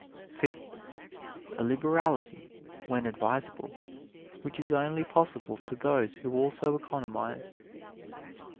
Fifth, A liberality, when advisable, which is only possible to those who also economize.